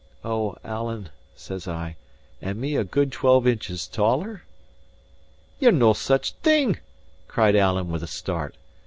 "O, Alan," says I, "and me a good twelve inches taller?" "Ye're no such a thing," cried Alan, with a start.